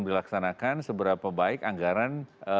dilaksanakan seberapa baik anggaran